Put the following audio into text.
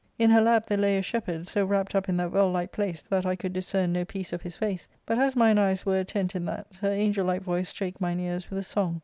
In her lap there lay a shepherd, so wrapped up in that well liked place that I could discern no piece of his face ; but as mine eyes were attent [intent] in that, her angel like voice strake mine ears with a song.